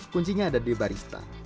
kuncinya ada di barista